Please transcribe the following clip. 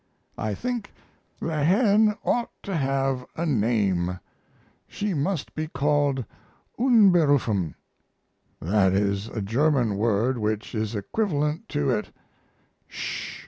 I think the hen ought to have a name; she must be called Unberufen. That is a German word which is equivalent to it "sh!